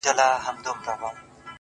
زما د اوښکي ـ اوښکي ژوند يوه حصه راوړې-